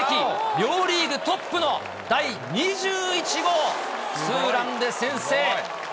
両リーグトップの第２１号ツーランで先制。